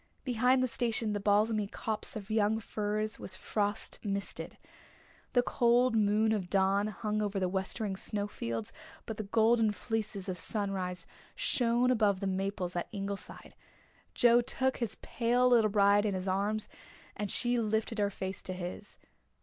Behind the station the balsamy copse of young firs was frost misted. The cold moon of dawn hung over the westering snow fields but the golden fleeces of sunrise shone above the maples up at Ingleside. Joe took his pale little bride in his arms and she lifted her face to his.